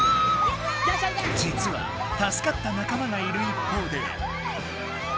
じつはたすかった仲間がいる一方で。